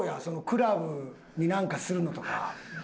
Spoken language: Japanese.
クラブになんかするのとか。